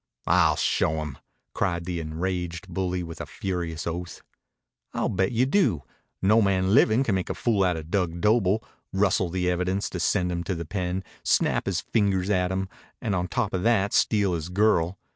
"I'll show 'em!" cried the enraged bully with a furious oath. "I'll bet you do. No man livin' can make a fool outa Dug Doble, rustle the evidence to send him to the pen, snap his fingers at him, and on top o' that steal his girl.